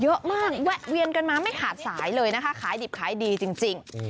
แวะเวียนกันมาไม่ขาดสายเลยนะคะขายดิบขายดีจริง